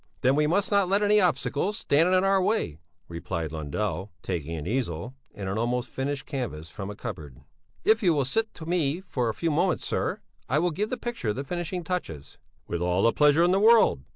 "Then we must not let any obstacles stand in our way," replied Lundell, taking an easel and an almost finished canvas from a cupboard. "If you will sit to me for a few moments, sir, I will give the picture the finishing touches." "With all the pleasure in the world."